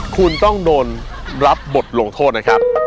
คุณต้องโดนรับบทลงโทษนะครับ